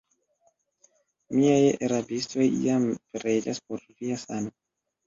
Miaj rabistoj jam preĝas por via sano.